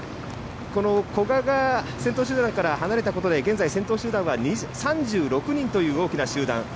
この古賀が先頭集団から離れたことで現在、先頭集団は３６人という大きな集団。